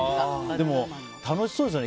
でも、楽しそうですよね。